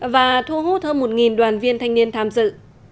và thu hút hơn một đoàn viên thanh niên tham dự